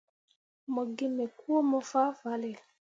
Mo gi me kuumo fah fale.